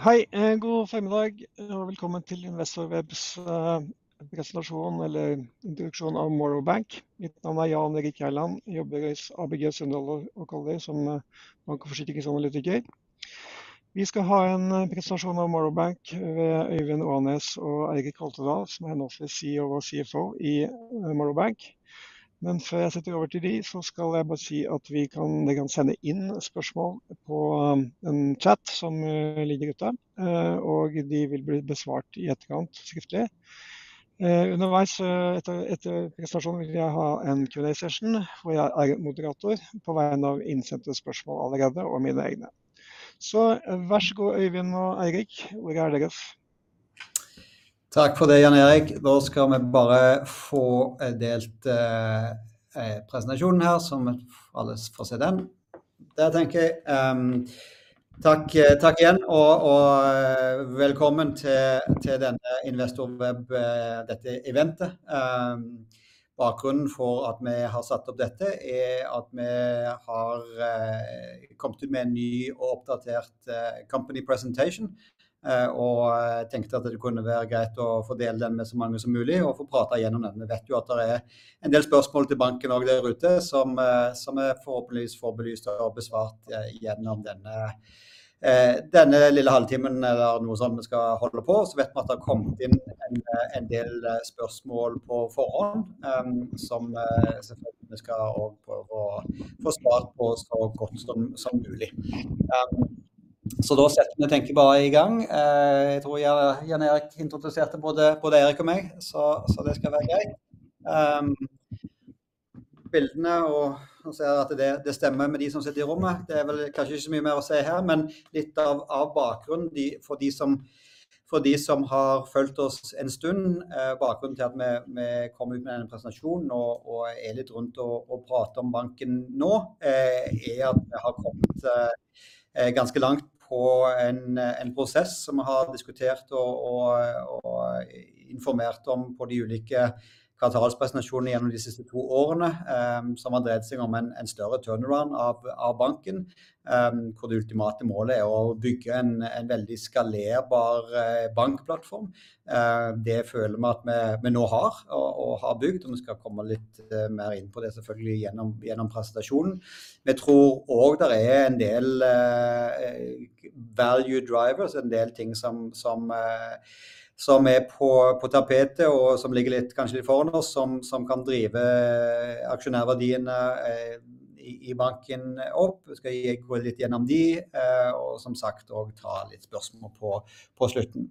Ja. Hei, god formiddag, og velkommen til Investorwebs presentasjon eller introduksjon av Morrow Bank. Mitt navn Jan Eirik Helland, jobber hos ABG Søndre Ålesund og Kalvøy som bank- og forsikringsanalytiker. Vi skal ha en presentasjon av Morrow Bank ved Øyvind Oanes og Eirik Holtedahl, som nå CEO og CFO i Morrow Bank. Men før jeg setter over til dem, så skal jeg bare si at vi kan sende inn spørsmål på en chat som ligger ute, og de vil bli besvart i etterkant, skriftlig. Underveis etter presentasjonen vil jeg ha en Q&A-session hvor jeg moderator på vegne av innsendte spørsmål allerede, og mine egne. Så vær så snill, Øyvind og Eirik, hvor er dere? Takk for det, Jan Eirik. Da skal vi bare få delt presentasjonen her, så alle får se den. Det tenker jeg. Takk igjen, og velkommen til dette Investorweb-eventet. Bakgrunnen for at vi har satt opp dette, at vi har kommet ut med en ny og oppdatert Company Presentation, og tenkte at det kunne være greit å få dele den med så mange som mulig, og få pratet gjennom den. Vi vet jo at det er en del spørsmål til banken og der ute, som vi forhåpentligvis får belyst og besvart gjennom denne lille halvtimen, eller noe sånt vi skal holde på. Vi vet at det har kommet inn en del spørsmål på forhånd, som vi selvfølgelig skal prøve å få svart på så godt som mulig. Da setter vi i gang. Jeg tror Jan Eirik introduserte både Eirik og meg, så det skal være greit. Bildene, og ser at det stemmer med de som sitter i rommet. Det er vel kanskje ikke så mye mer å se her, men litt av bakgrunnen for de som har fulgt oss en stund, bakgrunnen til at vi kom ut med denne presentasjonen, og litt rundt og prater om banken nå, at vi har kommet ganske langt på en prosess som vi har diskutert og informert om på de ulike kvartalspresentasjonene gjennom de siste to årene, som har dreid seg om en større turnaround av banken, hvor det ultimate målet å bygge en veldig skalerbar bankplattform. Det føler vi at vi nå har, og har bygd, og vi skal komme litt mer inn på det selvfølgelig gjennom presentasjonen. Vi tror også det er en del value drivers, en del ting som er på tapetet, og som ligger litt kanskje litt foran oss, som kan drive aksjonærverdiene i banken opp. Vi skal gå litt gjennom de, og som sagt også ta litt spørsmål på slutten.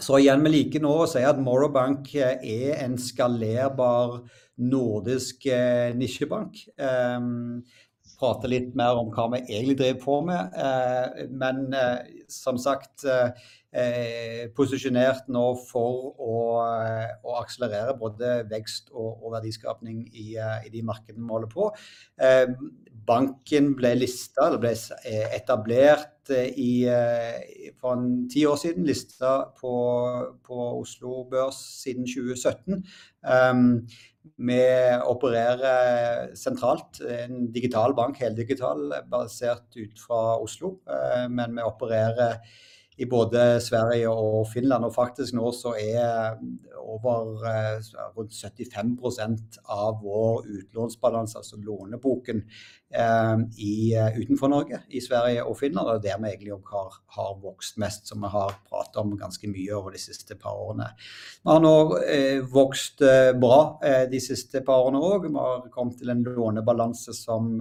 Så igjen vil jeg like nå å si at Morrow Bank en skalerbar nordisk nisjebank. Vi prater litt mer om hva vi egentlig driver på med, men som sagt posisjonert nå for å akselerere både vekst og verdiskapning i de markedene vi holder på. Banken ble listet, eller ble etablert for ti år siden, listet på Oslo Børs siden 2017. Vi opererer sentralt, en digital bank, heldigital, basert ut fra Oslo, men vi opererer i både Sverige og Finland, og faktisk nå så over rundt 75% av vår utlånsbalanse, altså låneboken, i utenfor Norge, i Sverige og Finland, og det der vi egentlig har vokst mest, som vi har pratet om ganske mye over de siste par årene. Vi har nå vokst bra de siste par årene også. Vi har kommet til en lånebalanse som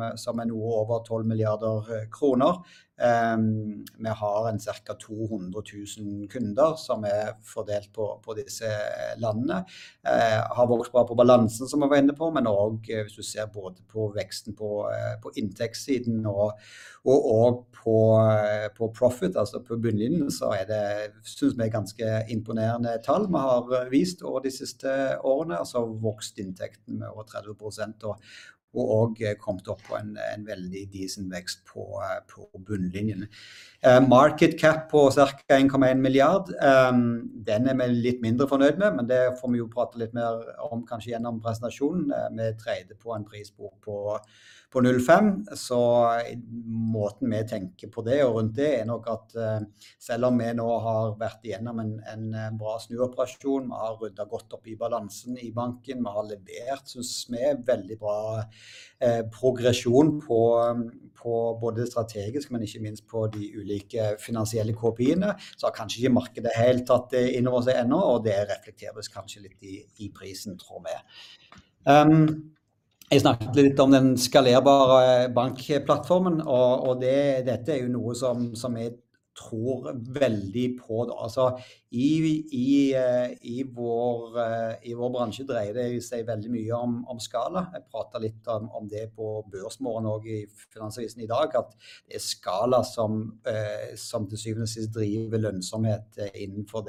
nå over 12 milliarder kroner. Vi har en cirka 200 000 kunder som fordelt på disse landene. Vi har vokst bra på balansen som vi var inne på, men også hvis du ser både på veksten på inntektssiden og på profit, altså på bunnlinjen, så synes vi det ganske imponerende tall vi har vist over de siste årene. Altså har vokst inntekten med over 30% og kommet opp på en veldig decent vekst på bunnlinjen. Market cap på cirka 1,1 milliard, den vi litt mindre fornøyd med, men det får vi jo prate litt mer om kanskje gjennom presentasjonen. Vi trodde på en prisbok på 0,5, så måten vi tenker på det og rundt det nok at selv om vi nå har vært gjennom en bra snuoperasjon, vi har ryddet godt opp i balansen i banken, vi har levert, synes vi veldig bra progresjon på både strategisk, men ikke minst på de ulike finansielle KPI-ene, så har kanskje ikke markedet helt tatt det innover seg ennå, og det reflekteres kanskje litt i prisen, tror vi. Jeg snakket litt om den skalerbare bankplattformen, og dette er jo noe som jeg tror veldig på. Altså, i vår bransje dreier det seg veldig mye om skala. Jeg pratet litt om det på Børsmorgen og i Finansavisen i dag, at det er skala som til syvende og sist driver lønnsomhet innenfor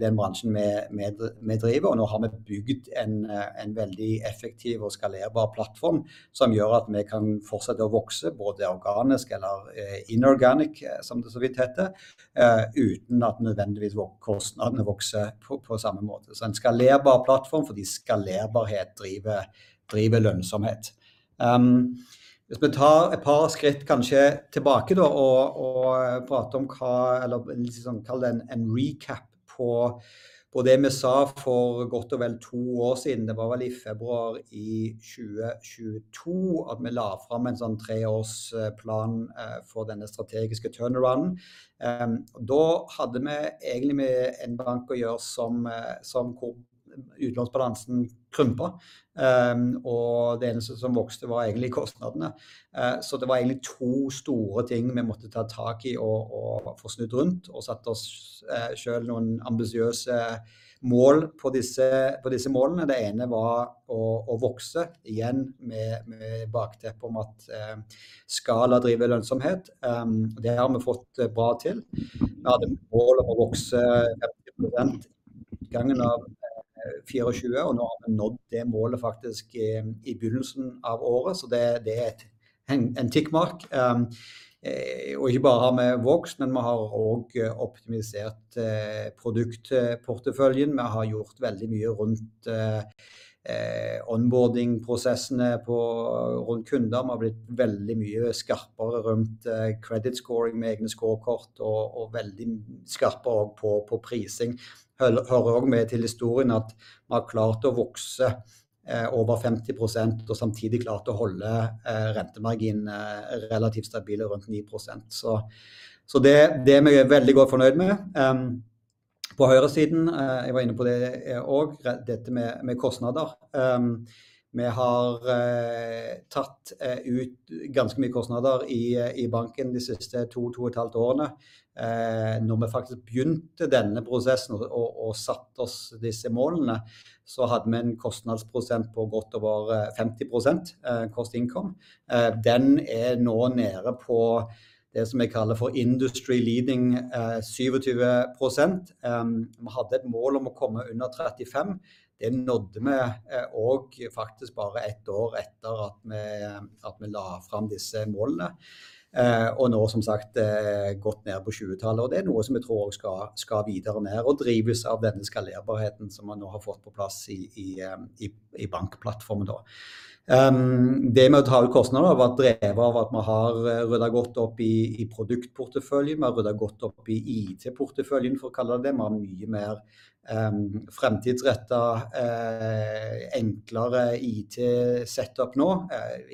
den bransjen vi driver. Nå har vi bygd en veldig effektiv og skalerbar plattform som gjør at vi kan fortsette å vokse, både organisk eller inorganisk, som det så vidt heter, uten at nødvendigvis kostnadene vokser på samme måte. Så en skalerbar plattform, fordi skalerbarhet driver lønnsomhet. Hvis vi tar et par skritt kanskje tilbake da, og prater om hva, eller kall det en recap på det vi sa for godt og vel to år siden, det var vel i februar i 2022, at vi la fram en sånn treårsplan for denne strategiske turnarounden. Da hadde vi egentlig med en bank å gjøre som utlånsbalansen krympet, og det eneste som vokste var egentlig kostnadene. Så det var egentlig to store ting vi måtte ta tak i og få snudd rundt, og sette oss selv noen ambisiøse mål på disse målene. Det ene var å vokse igjen med bakteppet om at skala driver lønnsomhet, og det har vi fått bra til. Vi hadde mål om å vokse 50% i utgangen av 2024, og nå har vi nådd det målet faktisk i begynnelsen av året, så det en tikkmark. Ikke bare har vi vokst, men vi har også optimalisert produktporteføljen, vi har gjort veldig mye rundt onboarding-prosessene rundt kunder, vi har blitt veldig mye skarpere rundt credit scoring med egne scorekort, og veldig skarpere på prising. Hører også med til historien at vi har klart å vokse over 50%, og samtidig klart å holde rentemarginen relativt stabil rundt 9%. Vi er veldig godt fornøyd med det. På høyresiden, jeg var inne på det også, dette med kostnader. Vi har tatt ut ganske mye kostnader i banken de siste to, to og et halvt årene. Når vi faktisk begynte denne prosessen og satte oss disse målene, så hadde vi en kostnadsprosent på godt og vel 50% cost income. Den nå nede på det som vi kaller for industry leading 27%. Vi hadde et mål om å komme under 35, det nådde vi også faktisk bare ett år etter at vi la fram disse målene, og nå som sagt godt nede på 20-tallet, og det noe som vi tror også skal videre med, og drives av denne skalerbarheten som vi nå har fått på plass i bankplattformen da. Det med å ta ut kostnader har vært drevet av at vi har ryddet godt opp i produktporteføljen. Vi har ryddet godt opp i IT-porteføljen, for å kalle det det. Vi har mye mer fremtidsrettet, enklere IT-setup nå,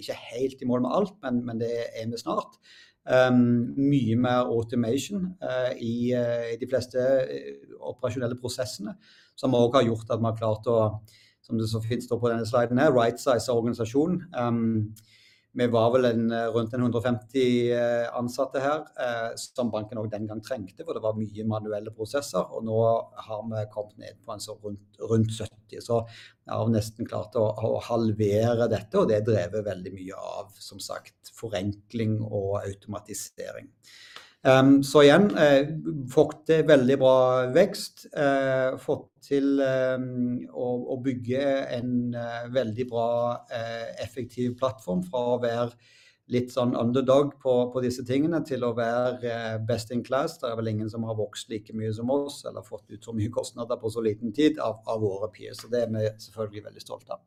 ikke helt i mål med alt, men det vi snart. Mye mer automation i de fleste operasjonelle prosessene, som også har gjort at vi har klart å, som det så fint står på denne sliden her, rightsize organisasjonen. Vi var vel rundt 150 ansatte her, som banken også den gang trengte, for det var mye manuelle prosesser. Nå har vi kommet ned på en så rundt 70, så vi har nesten klart å halvere dette, og det drevet veldig mye av, som sagt, forenkling og automatisering. Så igjen, fått til veldig bra vekst, fått til å bygge en veldig bra effektiv plattform, fra å være litt sånn underdog på disse tingene, til å være best in class. Det er vel ingen som har vokst like mye som oss, eller fått ut så mye kostnader på så liten tid av våre peers, så det er vi selvfølgelig veldig stolte av.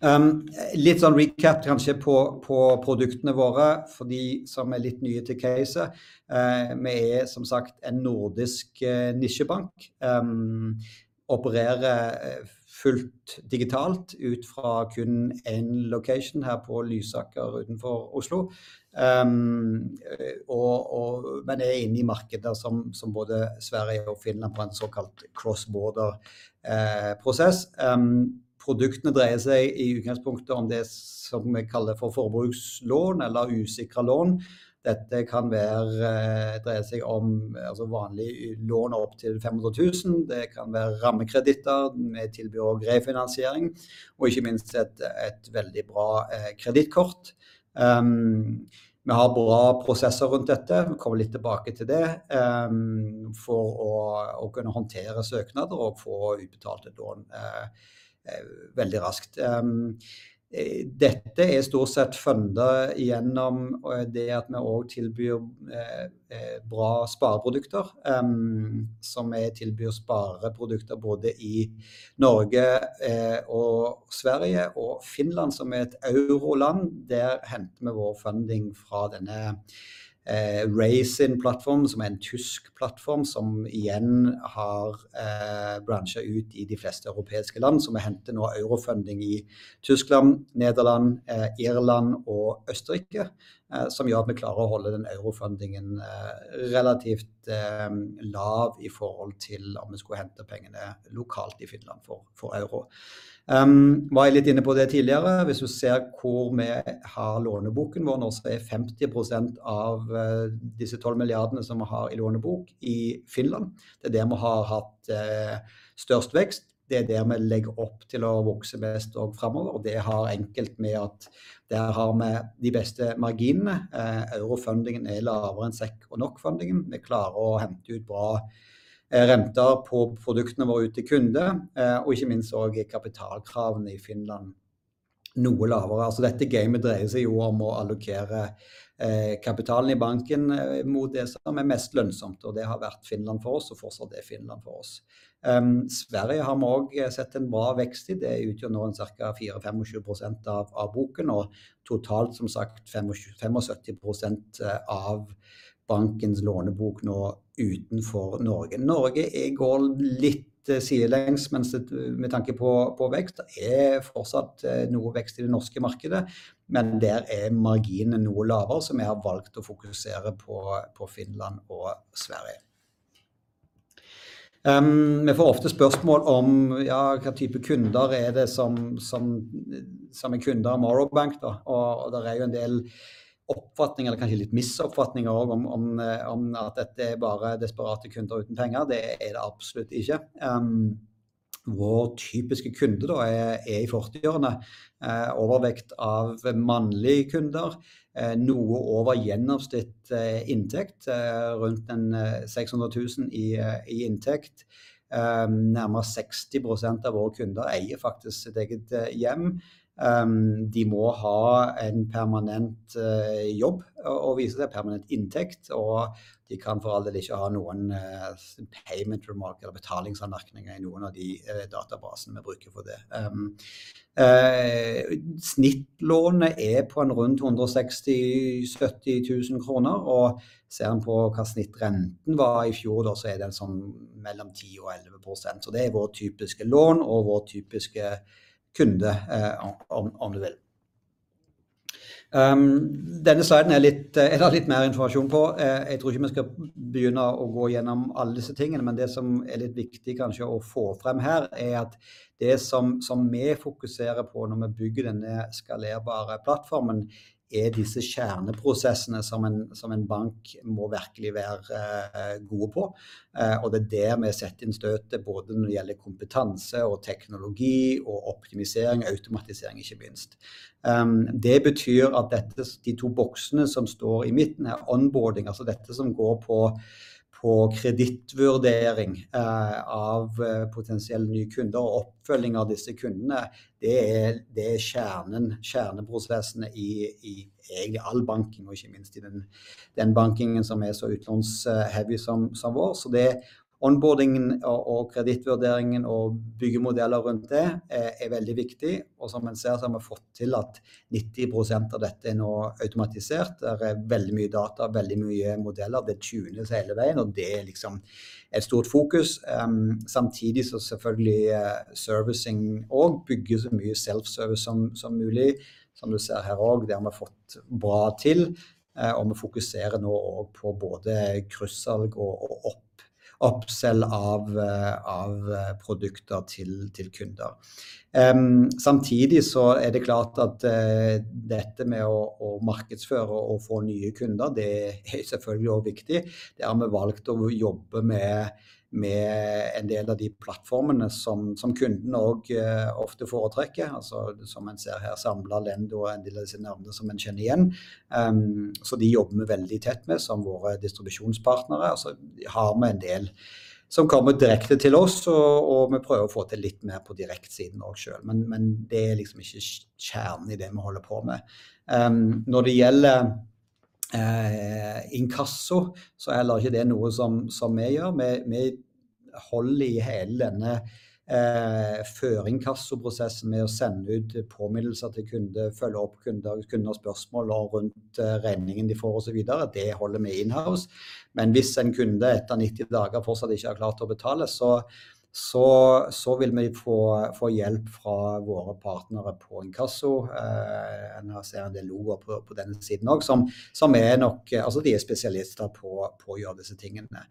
Litt sånn recap kanskje på produktene våre, for de som er litt nye til caset. Vi er som sagt en nordisk nisjebank, opererer fullt digitalt ut fra kun en location her på Lysaker utenfor Oslo, men inne i markeder som både Sverige og Finland på en såkalt cross-border prosess. Produktene dreier seg i utgangspunktet om det som vi kaller for forbrukslån eller usikre lån. Dette kan dreie seg om vanlige lån opp til NOK 500,000, det kan være rammekreditter med tilbud og refinansiering, og ikke minst et veldig bra kredittkort. Vi har bra prosesser rundt dette, vi kommer litt tilbake til det, for å kunne håndtere søknader og få utbetalt lån veldig raskt. Dette stort sett funnet gjennom det at vi også tilbyr bra spareprodukter, som vi tilbyr spareprodukter både i Norge og Sverige og Finland, som et euroland. Der henter vi vår funding fra denne Raisin-plattformen, som en tysk plattform, som igjen har grenser ut i de fleste europeiske land, så vi henter nå eurofunding i Tyskland, Nederland, Irland og Østerrike, som gjør at vi klarer å holde den eurofundingen relativt lav i forhold til om vi skulle hente pengene lokalt i Finland for euro. Vi var litt inne på det tidligere. Hvis du ser hvor vi har låneboken vår, så 50% av disse 12 milliardene som vi har i lånebok i Finland, det der vi har hatt størst vekst, det der vi legger opp til å vokse mest også fremover. Det har enkelt med at der har vi de beste marginene, eurofundingen lavere enn SEK og NOK-fundingen. Vi klarer å hente ut bra renter på produktene våre ut til kunde, og ikke minst også i kapitalkravene i Finland noe lavere. Dette gamet dreier seg jo om å allokere kapitalen i banken mot det som mest lønnsomt, og det har vært Finland for oss, og fortsatt Finland for oss. Sverige har vi også sett en bra vekst i, det utgjør nå cirka 25% av boken, og totalt som sagt 75% av bankens lånebok nå utenfor Norge. Norge gått litt sidelengs med tanke på vekst, det fortsatt noe vekst i det norske markedet, men der marginen noe lavere, så vi har valgt å fokusere på Finland og Sverige. Vi får ofte spørsmål om, ja, hva type kunder det som kunder av Morrow Bank, og det jo en del oppfatninger, eller kanskje litt misoppfatninger også om at dette bare desperate kunder uten penger, det det absolutt ikke. Vår typiske kunde da i 40-årene, overvekt av mannlige kunder, noe over gjennomsnitt inntekt, rundt 600 000 kr i inntekt. Nærmere 60% av våre kunder eier faktisk sitt eget hjem. De må ha en permanent jobb og vise til permanent inntekt, og de kan for all del ikke ha noen payment remark eller betalingsanmerkninger i noen av de databasene vi bruker for det. Snittlånet på rundt 160 000-170 000 kroner, og ser man på hva snittrenten var i fjor, da så det mellom 10 og 11%, så det vår typiske lån og vår typiske kunde. Denne sliden har litt mer informasjon på, jeg tror ikke vi skal begynne å gå gjennom alle disse tingene, men det som er litt viktig kanskje å få frem her, at det som vi fokuserer på når vi bygger denne skalerbare plattformen, disse kjerneprosessene som en bank må virkelig være gode på, og det vi setter inn støtet både når det gjelder kompetanse og teknologi og optimisering, automatisering ikke minst. Det betyr at disse to boksene som står i midten, onboarding, altså dette som går på kredittvurdering av potensielle nye kunder og oppfølging av disse kundene, det er kjernen, kjerneprosessene i egentlig all banking, og ikke minst i den bankingen som er så utlånsheavy som vår. Så onboardingen og kredittvurderingen og byggemodeller rundt det er veldig viktig, og som man ser så har vi fått til at 90% av dette nå er automatisert, det er veldig mye data, veldig mye modeller, det tunes hele veien, og det er et stort fokus. Samtidig så selvfølgelig servicing også, bygge så mye self-service som mulig, som du ser her også, det har vi fått bra til, og vi fokuserer nå også på både kryssalg og oppsalg av produkter til kunder. Samtidig så det klart at dette med å markedsføre og få nye kunder, det selvfølgelig også viktig, det har vi valgt å jobbe med med en del av de plattformene som kundene også ofte foretrekker, altså som man ser her, Samla, Lendo og en del av disse navnene som man kjenner igjen. Så de jobber vi veldig tett med som våre distribusjonspartnere, altså har vi en del som kommer direkte til oss, og vi prøver å få til litt mer på direktsiden også selv, men det liksom ikke kjernen i det vi holder på med. Når det gjelder inkasso, så er det ikke noe som vi gjør. Vi holder i hele denne før-inkasso-prosessen med å sende ut påminnelser til kunde, følge opp kunder og spørsmål rundt regningen de får og så videre. Det holder vi in-house, men hvis en kunde etter 90 dager fortsatt ikke har klart å betale, så vil vi få hjelp fra våre partnere på inkasso. En ser en del logoer på denne siden også, som nok, altså de er spesialister på å gjøre disse tingene.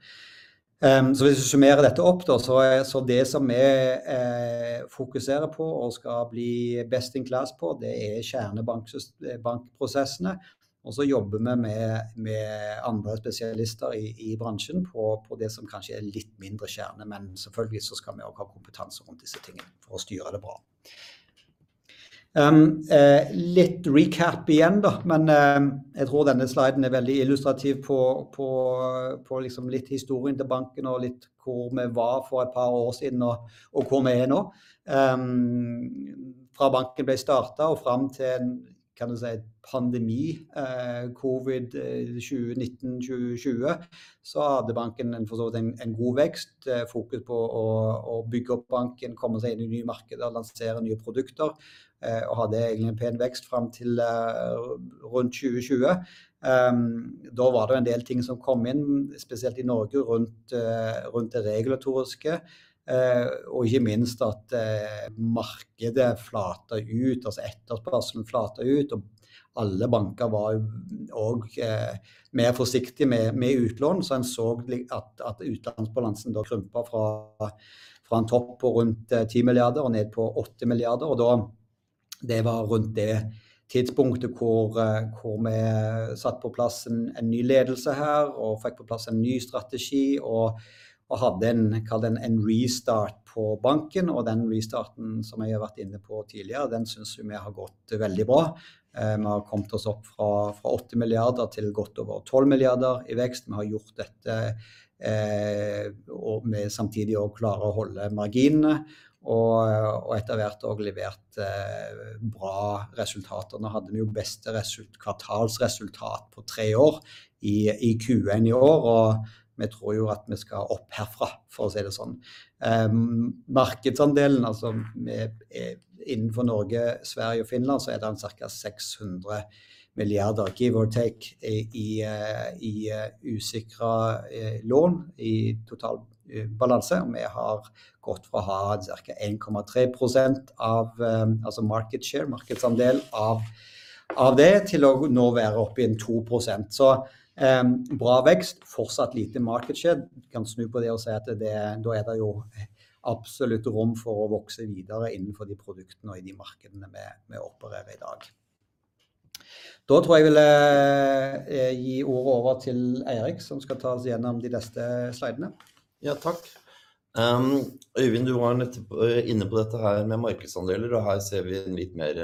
Hvis vi summerer dette opp da, så det som vi fokuserer på og skal bli best in class på, det er kjernebankprosessene, og så jobber vi med andre spesialister i bransjen på det som kanskje er litt mindre kjerne, men selvfølgelig så skal vi også ha kompetanse rundt disse tingene for å styre det bra. Litt recap igjen da, men jeg tror denne sliden er veldig illustrativ på liksom litt historien til banken og litt hvor vi var for et par år siden og hvor vi er nå. Fra banken ble startet og frem til, kan du si, pandemien, Covid-19 2020, så hadde banken for så vidt en god vekst, fokus på å bygge opp banken, komme seg inn i nye markeder og lansere nye produkter, og hadde egentlig en pen vekst frem til rundt 2020. Da var det jo en del ting som kom inn, spesielt i Norge rundt det regulatoriske, og ikke minst at markedet flatet ut, altså etterspørselen flatet ut, og alle banker var jo også mer forsiktige med utlån, så man så at utlånsbalansen da krympet fra en topp på rundt 10 milliarder og ned på 8 milliarder. Da det var rundt det tidspunktet hvor vi satt på plass en ny ledelse her, og fikk på plass en ny strategi, og hadde en restart på banken, og den restarten som jeg har vært inne på tidligere, den synes vi har gått veldig bra. Vi har kommet oss opp fra 8 milliarder til godt over 12 milliarder i vekst, vi har gjort dette, og vi samtidig også klarer å holde marginene, og etter hvert også levert bra resultater. Nå hadde vi jo beste kvartalsresultat på tre år i Q1 i år, og vi tror jo at vi skal opp herfra, for å si det sånn. Markedsandelen, altså med innenfor Norge, Sverige og Finland, så det en cirka 600 milliarder, give or take, i usikre lån i totalbalanse, og vi har gått fra å ha cirka 1,3% av, altså market share, markedsandel av det, til å nå være oppe i en 2%. Så bra vekst, fortsatt lite market share, kan snu på det og si at det da det jo absolutt rom for å vokse videre innenfor de produktene og i de markedene vi opererer i dag. Da tror jeg vi vil gi ordet over til Eirik, som skal ta oss gjennom de neste slidene. Ja, takk. Øyvind, du var jo nettopp inne på dette her med markedsandeler, og her ser vi en litt mer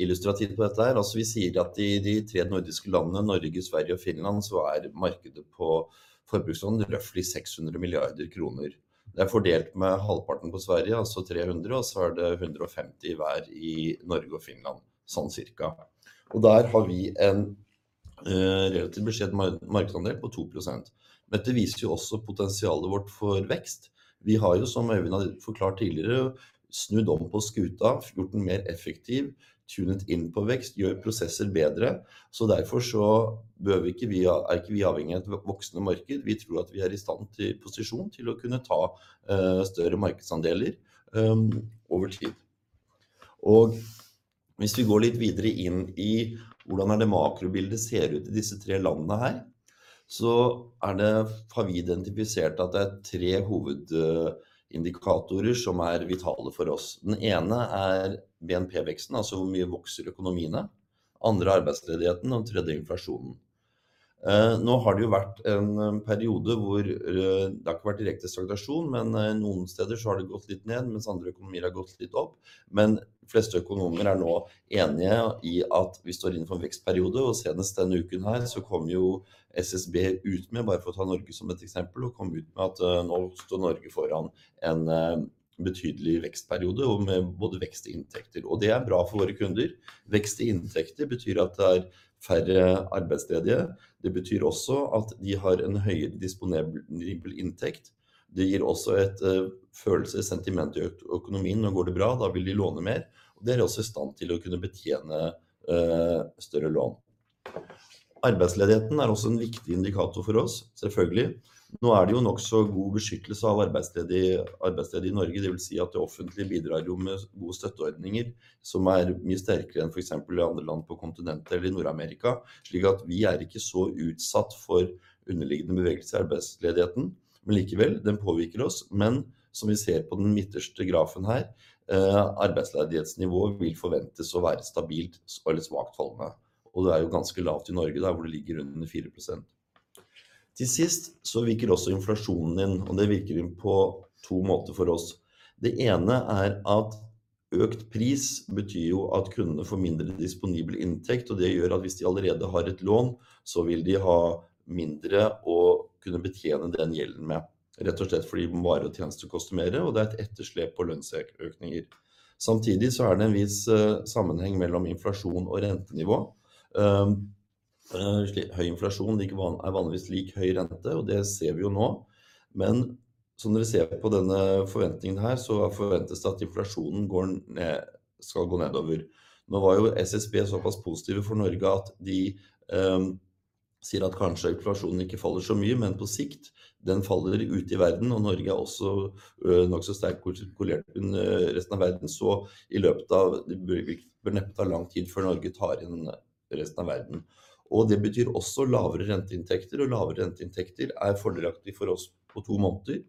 illustrativt på dette her. Vi sier at i de tre nordiske landene, Norge, Sverige og Finland, så er markedet på forbrukslån røffelig 600 milliarder kroner. Det fordelt med halvparten på Sverige, altså 300, og så 150 hver i Norge og Finland, sånn cirka. Og der har vi en relativt beskjeden markedsandel på 2%. Men dette viser jo også potensialet vårt for vekst. Vi har jo, som Øyvind har forklart tidligere, snudd om på skuta, gjort den mer effektiv, tunet inn på vekst, gjør prosesser bedre. Så derfor så behøver vi ikke, vi er ikke avhengig av et voksende marked. Vi tror at vi er i stand til å posisjonere oss til å kunne ta større markedsandeler over tid. Og hvis vi går litt videre inn i hvordan makrobildet ser ut i disse tre landene her, så har vi identifisert tre hovedindikatorer som er vitale for oss. Den ene er BNP-veksten, altså hvor mye vokser økonomiene. Andre er arbeidsledigheten, og tredje er inflasjonen. Nå har det jo vært en periode hvor det ikke har vært direkte stagnasjon, men noen steder så har det gått litt ned, mens andre økonomier har gått litt opp. Men de fleste økonomer er nå enige i at vi står inn for en vekstperiode, og senest denne uken her så kom jo SSB ut med, bare for å ta Norge som et eksempel, og kom ut med at nå står Norge foran en betydelig vekstperiode, og med både vekst i inntekter. Og det er bra for våre kunder. Vekst i inntekter betyr at det er færre arbeidsledige. Det betyr også at de har en høyere disponibel inntekt. Det gir også et følelsessentiment i økonomien. Når det går bra, da vil de låne mer og er også i stand til å kunne betjene større lån. Arbeidsledigheten er også en viktig indikator for oss, selvfølgelig. Nå er det jo nokså god beskyttelse av arbeidsledige i Norge. Det vil si at det offentlige bidrar jo med gode støtteordninger, som er mye sterkere enn for eksempel i andre land på kontinentet eller i Nord-Amerika. Slik at vi ikke er så utsatt for underliggende bevegelse i arbeidsledigheten. Men likevel, den påvirker oss. Men som vi ser på den midterste grafen her, vil arbeidsledighetsnivået forventes å være stabilt og litt svakt fallende. Det er jo ganske lavt i Norge, der hvor det ligger under 4%. Til sist så virker også inflasjonen inn, og det virker inn på to måter for oss. Det ene at økt pris betyr jo at kundene får mindre disponibel inntekt, og det gjør at hvis de allerede har et lån, så vil de ha mindre å kunne betjene den gjelden med. Rett og slett fordi varer og tjenester koster mer, og det er etterslep på lønnsøkninger. Samtidig så er det en viss sammenheng mellom inflasjon og rentenivå. Høy inflasjon vanligvis lik høy rente, og det ser vi jo nå. Men som dere ser på denne forventningen her, så forventes det at inflasjonen går ned, skal gå nedover. Nå var jo SSB såpass positive for Norge at de sier at kanskje inflasjonen ikke faller så mye, men på sikt den faller ute i verden, og Norge også nokså sterkt korrelert med resten av verden, så i løpet av det blir det nettopp lang tid før Norge tar inn resten av verden. Og det betyr også lavere renteinntekter, og lavere renteinntekter fordelaktig for oss på to måter.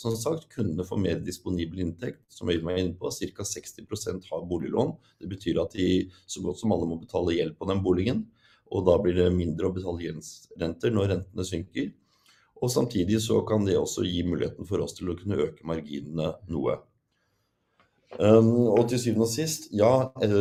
Som sagt, kundene får mer disponibel inntekt, som Øyvind var inne på, cirka 60% har boliglån. Det betyr at de så godt som alle må betale gjeld på den boligen, og da blir det mindre å betale gjeldsrenter når rentene synker. Og samtidig så kan det også gi muligheten for oss til å kunne øke marginene noe. Og til syvende og sist, ja,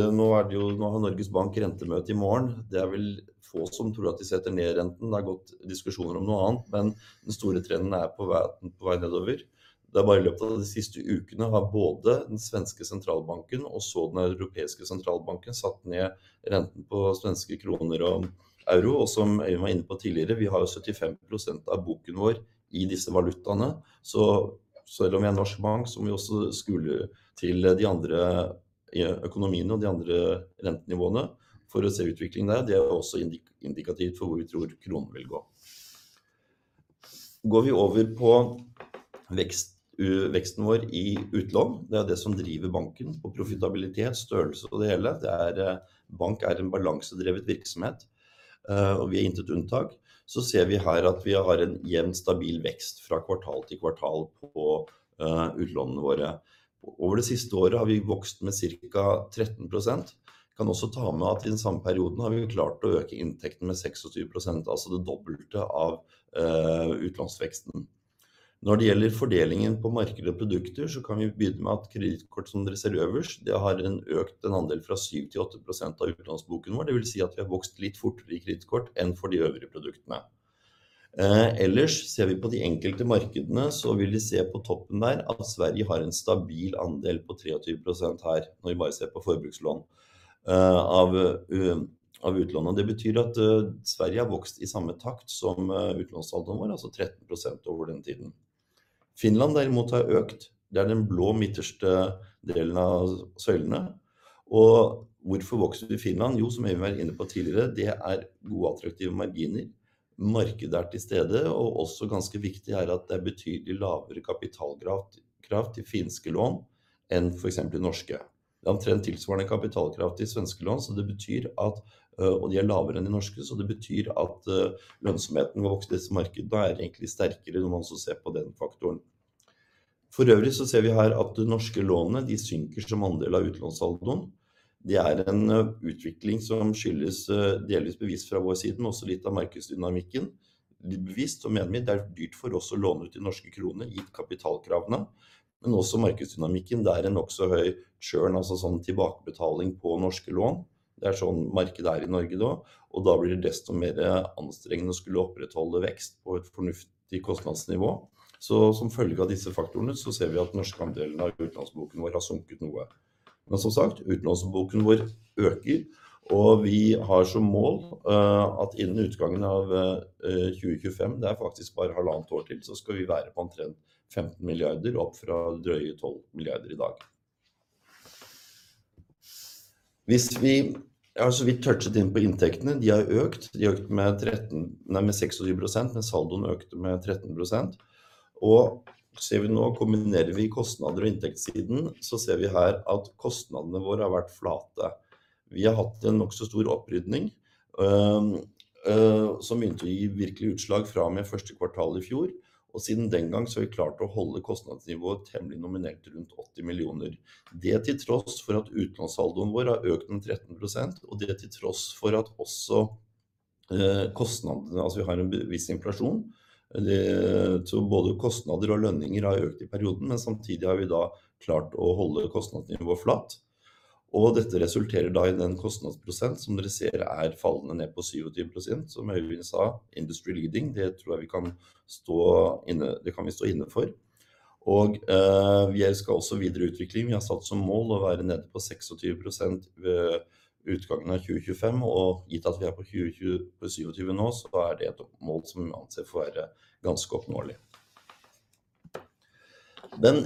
nå det jo, nå har Norges Bank rentemøte i morgen. Det er vel få som tror at de setter ned renten. Det har gått diskusjoner om noe annet, men den store trenden på vei nedover. Det er bare i løpet av de siste ukene har både den svenske sentralbanken og så den europeiske sentralbanken satt ned renten på svenske kroner og euro. Og som Øyvind var inne på tidligere, vi har jo 75% av boken vår i disse valutaene. Så selv om vi er en norsk bank, som vi også skulle være, må vi se til de andre økonomiene og de andre rentenivåene for å se utviklingen der. Det er også indikativt for hvor vi tror kronen vil gå. Går vi over på veksten vår i utlån, det er jo det som driver banken på profitabilitet, størrelse og det hele. Det er bank en balansedrevet virksomhet, og vi er intet unntak. Så ser vi her at vi har en jevn stabil vekst fra kvartal til kvartal på utlånene våre. Over det siste året har vi vokst med cirka 13%. Kan også ta med at i den samme perioden har vi klart å øke inntekten med 26%, altså det dobbelte av utlånsveksten. Når det gjelder fordelingen på marked og produkter, så kan vi begynne med at kredittkort, som dere ser øverst, det har økt en andel fra 7-8% av utlånsboken vår. Det vil si at vi har vokst litt fortere i kredittkort enn for de øvrige produktene. Ellers ser vi på de enkelte markedene, så vil vi se på toppen der at Sverige har en stabil andel på 23% her, når vi bare ser på forbrukslån av utlånene. Det betyr at Sverige har vokst i samme takt som utlånstallene våre, altså 13% over den tiden. Finland derimot har økt. Det den blå midterste delen av søylene. Hvorfor vokser det i Finland? Jo, som Øyvind var inne på tidligere, det gode attraktive marginer. Markedet til stede, og også ganske viktig at det betydelig lavere kapitalkrav i finske lån enn for eksempel i norske. Det omtrent tilsvarende kapitalkraft i svenske lån, så det betyr at, og de lavere enn de norske, så det betyr at lønnsomheten vokser i disse markedene egentlig sterkere når man så ser på den faktoren. For øvrig så ser vi her at de norske lånene de synker som andel av utlånsaldoen. Det en utvikling som skyldes delvis bevisst fra vår siden, også litt av markedsdynamikken. Bevisst og mener vi det dyrt for oss å låne ut i norske kroner, gitt kapitalkravene, men også markedsdynamikken. Det en nokså høy churn, altså sånn tilbakebetaling på norske lån. Det sånn markedet i Norge da, og da blir det desto mer anstrengende å skulle opprettholde vekst på et fornuftig kostnadsnivå. Som følge av disse faktorene så ser vi at norske andelen av utlånsboken vår har sunket noe. Men som sagt, utlånsboken vår øker, og vi har som mål at innen utgangen av 2025, det faktisk bare halvannet år til, så skal vi være på omtrent NOK 15 milliarder opp fra drøye NOK 12 milliarder i dag. Hvis vi, ja, så vi touchet inn på inntektene. De har økt. De har økt med 26%, men saldoen økte med 13%. Og ser vi nå, kombinerer vi kostnader og inntektssiden, så ser vi her at kostnadene våre har vært flate. Vi har hatt en nokså stor opprydning som begynte å gi virkelig utslag fra og med første kvartal i fjor, og siden den gang så har vi klart å holde kostnadsnivået temmelig nominelt rundt NOK 80 millioner. Det til tross for at utlånsaldoen vår har økt med 13%, og det til tross for at også kostnadene, altså vi har en bevisst inflasjon, så både kostnader og lønninger har økt i perioden, men samtidig har vi klart å holde kostnadsnivået flatt. Dette resulterer da i den kostnadsprosent som dere ser fallende ned på 27%, som Øyvind sa, industry leading. Det tror jeg vi kan stå inne for, det kan vi stå inne for. Vi skal også videre utvikling. Vi har satt som mål å være nede på 26% ved utgangen av 2025, og gitt at vi på 27% nå, så det et mål som vi anser for å være ganske oppnåelig. Den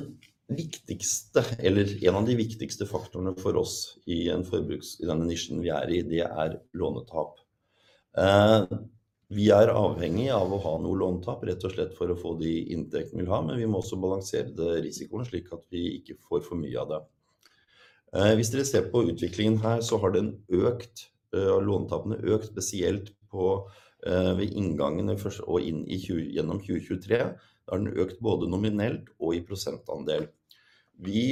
viktigste, eller en av de viktigste faktorene for oss i en forbruks i denne nisjen vi i, det lånetap. Vi avhengig av å ha noe lånetap, rett og slett for å få de inntektene vi vil ha, men vi må også balansere det risikoen slik at vi ikke får for mye av det. Hvis dere ser på utviklingen her, så har det en økt, lånetapene økt spesielt på, ved inngangen og inn i gjennom 2023. Da har den økt både nominelt og i prosentandel. Vi,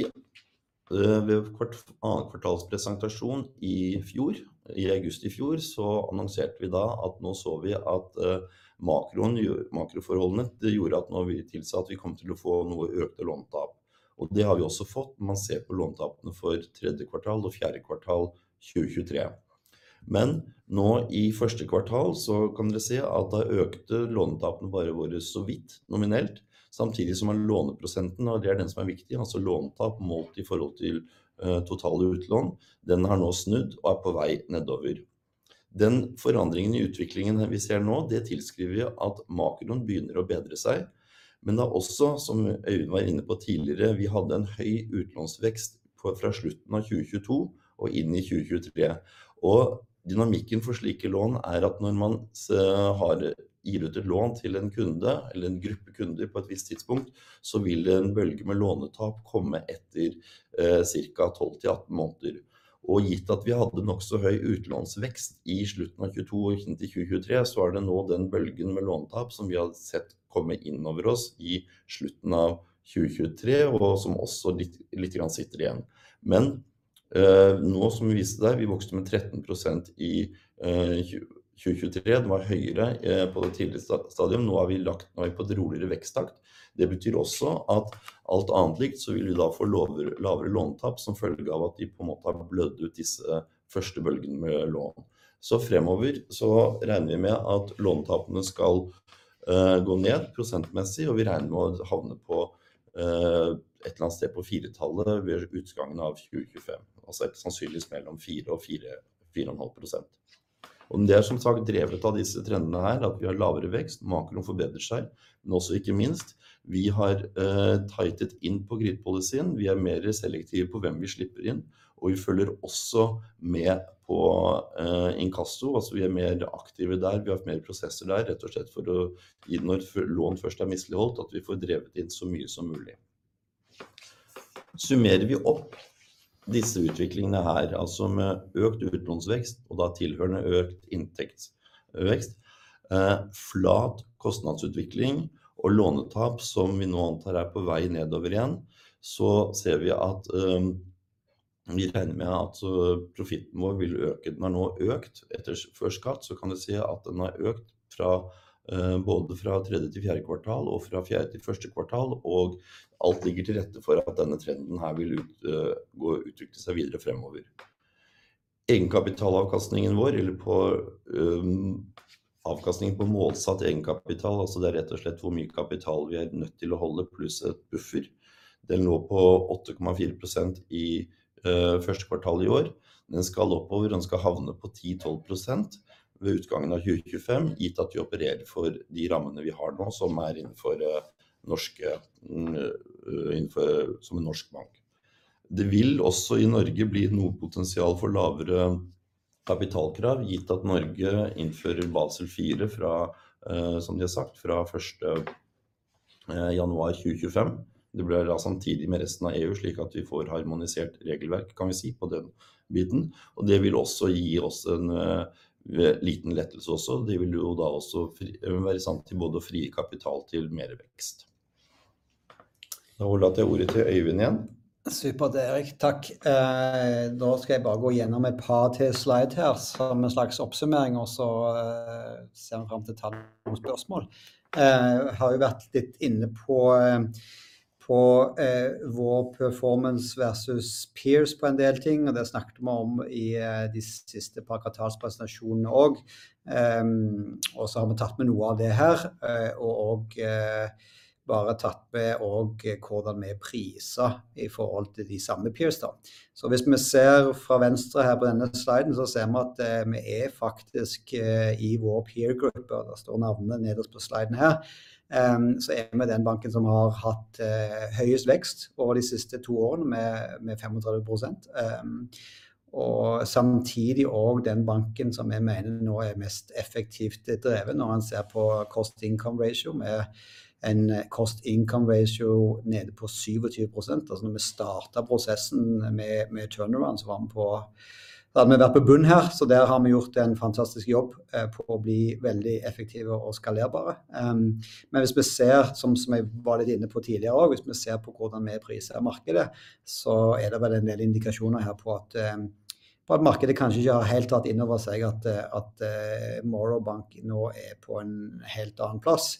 ved kvartalspresentasjon i fjor, i august i fjor, så annonserte vi da at nå så vi at makroforholdene det gjorde at nå vi tilsatte vi kom til å få noe økte lånetap. Og det har vi også fått, men man ser på lånetapene for tredje kvartal og fjerde kvartal 2023. Men nå i første kvartal så kan dere se at da økte lånetapene bare våre så vidt nominelt, samtidig som at låneprosenten, og det den som viktig, altså lånetap målt i forhold til totale utlån, den har nå snudd og på vei nedover. Den forandringen i utviklingen vi ser nå, det tilskriver vi at makroen begynner å bedre seg. Men det også, som Øyvind var inne på tidligere, vi hadde en høy utlånsvekst fra slutten av 2022 og inn i 2023. Dynamikken for slike lån at når man har gitt ut et lån til en kunde eller en gruppe kunder på et visst tidspunkt, så vil en bølge med lånetap komme etter, cirka 12 til 18 måneder. Og gitt at vi hadde nokså høy utlånsvekst i slutten av 2022 og inn til 2023, så det nå den bølgen med lånetap som vi har sett komme innover oss i slutten av 2023, og som også litt, lite grann sitter igjen. Men nå som vi viste deg, vi vokste med 13% i 2023. Det var høyere på det tidlige stadium. Nå har vi lagt, nå har vi på et roligere veksttakt. Det betyr også at alt annet likt, så vil vi da få lavere lånetap som følge av at vi på en måte har blødd ut disse første bølgene med lån. Så fremover så regner vi med at lånetapene skal gå ned prosentmessig, og vi regner med å havne på et eller annet sted på 4-tallet ved utgangen av 2025. Altså helt sannsynligvis mellom 4% og 4,5%. Og det som sagt drevet av disse trendene her, at vi har lavere vekst, makroen forbedrer seg, men også ikke minst, vi har tightet inn på gridpolicyen. Vi mer selektive på hvem vi slipper inn, og vi følger også med på inkasso. Altså, vi mer aktive der. Vi har hatt mer prosesser der, rett og slett for å gi når lån først misligholdt, at vi får drevet inn så mye som mulig. Summerer vi opp disse utviklingene her, altså med økt utlånsvekst og da tilhørende økt inntektsvekst, flat kostnadsutvikling og lånetap som vi nå antar på vei nedover igjen, så ser vi at vi regner med at profitten vår vil øke. Den har nå økt etter før skatt, så kan du se at den har økt fra, både fra tredje til fjerde kvartal og fra fjerde til første kvartal, og alt ligger til rette for at denne trenden her vil utvikle seg videre fremover. Egenkapitalavkastningen vår, eller avkastningen på målsatt egenkapital, altså det hvor mye kapital vi er nødt til å holde pluss et buffer. Den lå på 8,4% i første kvartal i år. Den skal oppover, den skal havne på 10-12% ved utgangen av 2025, gitt at vi opererer innenfor de rammene vi har nå, som en norsk bank. Det vil også i Norge bli noe potensial for lavere kapitalkrav, gitt at Norge innfører Basel 4 fra, som de har sagt, fra 1. januar 2025. Det blir da samtidig med resten av EU, slik at vi får harmonisert regelverk, kan vi si, på den biten. Og det vil også gi oss en liten lettelse også. Det vil jo da også være samtidig både å frigi kapital til mer vekst. Da overlater jeg ordet til Øyvind igjen. Supert, Erik. Takk. Nå skal jeg bare gå gjennom et par til slides her, som en slags oppsummering, og så ser jeg fram til spørsmål. Vi har jo vært litt inne på vår performance versus peers på en del ting, og det snakket vi om i de siste par kvartalspresentasjonene også. Og så har vi tatt med noe av det her, og bare tatt med hvordan vi priset i forhold til de samme peers da. Hvis vi ser fra venstre her på denne sliden, så ser vi at vi faktisk i vår peergruppe, og det står navnet nederst på sliden her, vi den banken som har hatt høyest vekst over de siste to årene med 35%. Samtidig også den banken som jeg mener nå mest effektivt drevet, når man ser på cost income ratio, med en cost income ratio nede på 27%. Altså når vi startet prosessen med turnaround, så var vi på, da hadde vi vært på bunn her, så der har vi gjort en fantastisk jobb på å bli veldig effektive og skalerbare. Men hvis vi ser, sånn som jeg var litt inne på tidligere også, hvis vi ser på hvordan vi priset i markedet, så det vel en del indikasjoner her på at markedet kanskje ikke har helt tatt innover seg at Morrow Bank nå på en helt annen plass,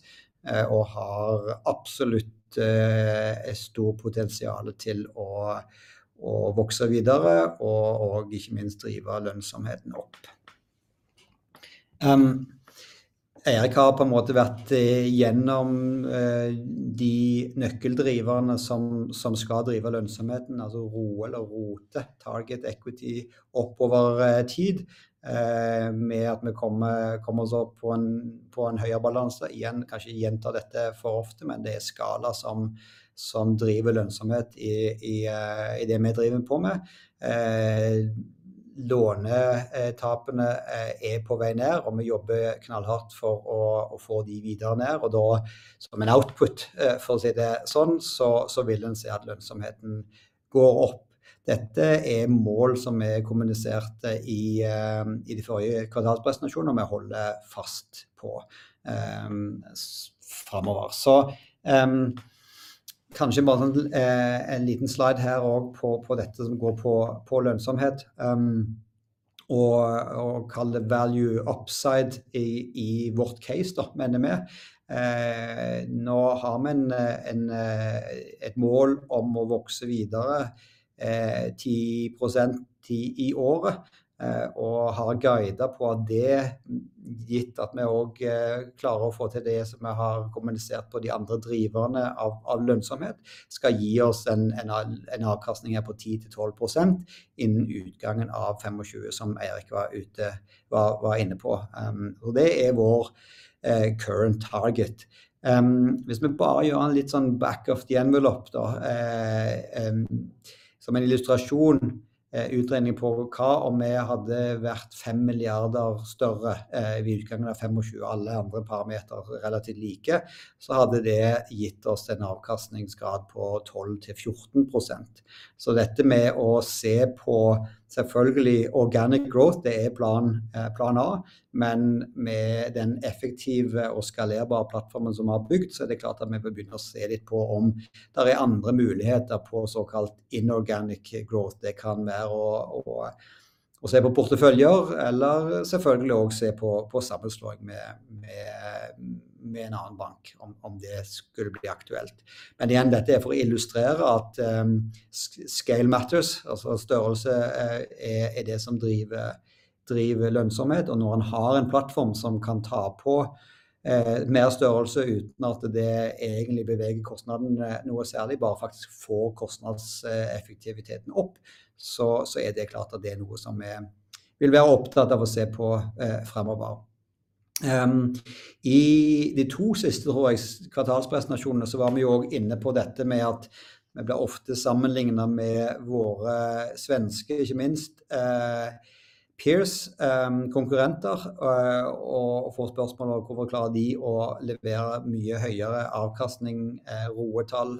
og har absolutt et stort potensiale til å vokse videre, og ikke minst drive lønnsomheten opp. Erik har på en måte vært gjennom de nøkkeldriverne som skal drive lønnsomheten, altså ROE og ROTE, target equity oppover tid, med at vi kommer oss opp på en høyere balanse igjen. Kanskje gjentar dette for ofte, men det skala som driver lønnsomhet i det vi driver på med. Låne tapene på vei ned, og vi jobber knallhardt for å få de videre ned, og da som en output, for å si det sånn, så vil en se at lønnsomheten går opp. Dette målet som kommunisert i de forrige kvartalspresentasjonene vi holder fast på framover. Så kanskje bare en liten slide her også på dette som går på lønnsomhet, og kalle det value upside i vårt case da, mener vi. Nå har vi et mål om å vokse videre, 10% i året, og har guidet på at det, gitt at vi også klarer å få til det som vi har kommunisert på de andre driverne av lønnsomhet, skal gi oss en avkastning her på 10 til 12% innen utgangen av 2025, som Erik var inne på. Så det er vårt current target. Hvis vi bare gjør en litt sånn back of the envelope da, som en illustrasjon, utregning på hva om vi hadde vært 5 milliarder større, ved utgangen av 2025, alle andre parametere relativt like, så hadde det gitt oss en avkastningsgrad på 12 til 14%. Så dette med å se på, selvfølgelig, organic growth, det er plan A, men med den effektive og skalerbare plattformen som vi har bygd, så er det klart at vi begynner å se litt på om det er andre muligheter på såkalt inorganic growth. Det kan være å se på porteføljer, eller selvfølgelig også se på sammenslåing med en annen bank om det skulle bli aktuelt. Men igjen, dette for å illustrere at scale matters, altså størrelse, det som driver lønnsomhet, og når man har en plattform som kan ta på mer størrelse uten at det egentlig beveger kostnadene noe særlig, bare faktisk får kostnadseffektiviteten opp, så det er klart at det er noe som vi vil være opptatt av å se på fremover. I de to siste, tror jeg, kvartalspresentasjonene, så var vi jo også inne på dette med at vi blir ofte sammenlignet med våre svenske, ikke minst, peers, konkurrenter, og får spørsmål om hvorfor klarer de å levere mye høyere avkastning, ROE-tall,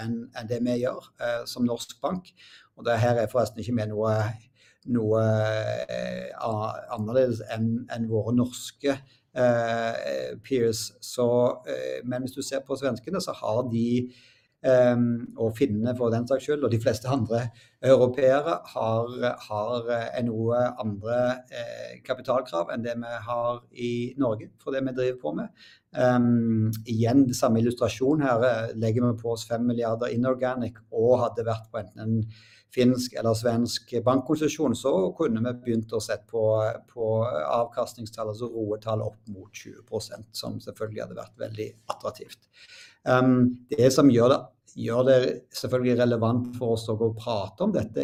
enn det vi gjør som norsk bank. Og det her er forresten ikke noe annerledes enn våre norske peers. Men hvis du ser på svenskene, så har de, og finnene for den saks skyld, og de fleste andre europeere har noe andre kapitalkrav enn det vi har i Norge for det vi driver på med. Igjen, samme illustrasjon her, legger vi på oss NOK 5 milliarder inorganic, og hadde vært på enten en finsk eller svensk bankkonstruksjon, så kunne vi begynt å sett på avkastningstall, altså ROE-tall opp mot 20%, som selvfølgelig hadde vært veldig attraktivt. Det som gjør det selvfølgelig relevant for oss å gå og prate om dette,